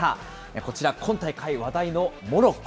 こちら、今大会話題のモロッコ。